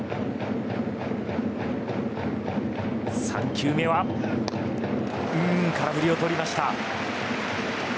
３球目は空振りをとりました。